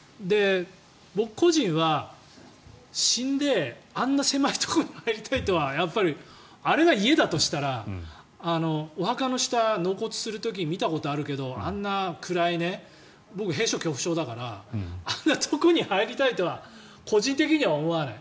僕個人は、死んであんな狭いところに入りたいとはやっぱりあれが家だとしたらお墓の下、納骨する時見たことあるけどあんな暗い僕、閉所恐怖症だからあんなところに入りたいとは個人的には思わない。